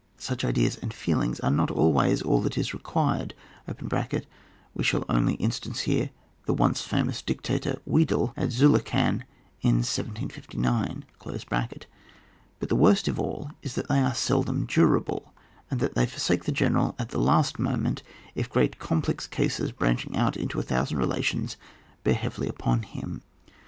8uch ideas and feelings are not always all that is required (we shall only instance here the once famous dictator Wedel, at Zullichau, in 1759) ; but the worst of all is that they are seldom durable, and they forsake the general at the last moment if great complex cases branching out into a thousand relations bear heavily upon him.